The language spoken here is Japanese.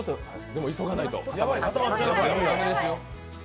でも、急がないと。